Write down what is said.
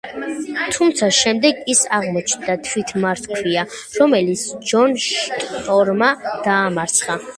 თუმცა შემდეგ ის აღმოჩნდა თვითმარქვია, რომელიც ჯონ შტორმმა დაამარცხა.